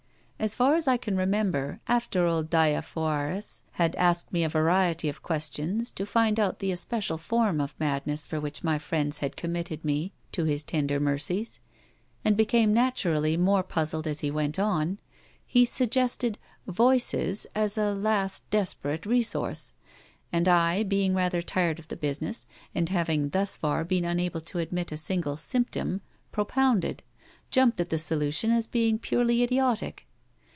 As far as I can remember, after old Diafoirus had asked me a variety of questions to find out the especial form of madness for which my friends had committed me to his tender mercies, and became naturally more puzzled as he went on, he suggested 'voices' as a last desperate resource; and I, being rather tired of the business, and having thus far been unable to admit a single 'symptom' propounded, jumped at the solution as being purely idiotic.